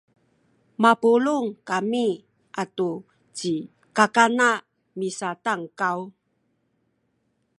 mapulung kami atu ci kakana misatankaw